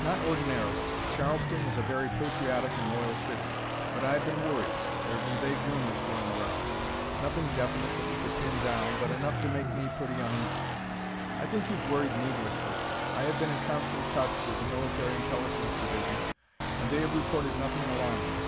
"Not ordinarily. Charleston is a very patriotic and loyal city, but I have been worried. There have been vague rumors going around. Nothing definite that we could pin down, but enough to make me pretty uneasy." "I think you've worried needlessly. I have been in constant touch with the Military Intelligence Division and they have reported nothing alarming."